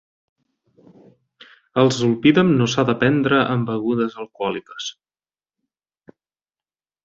El zolpidem no s'ha de prendre amb begudes alcohòliques.